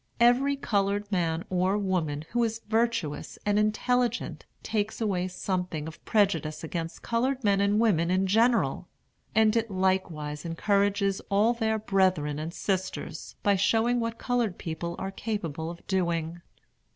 Every colored man or woman who is virtuous and intelligent takes away something of prejudice against colored men and women in general; and it likewise encourages all their brethren and sisters, by showing what colored people are capable of doing.